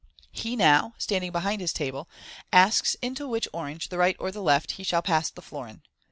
He now (standing behind his rable) asks into which orange, the right or the left, he shall pass the florin.